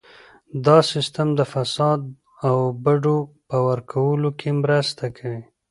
دا سیستم د فساد او بډو په ورکولو کې مرسته کوي.